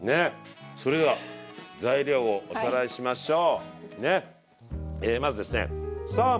それでは材料をおさらいしましょう。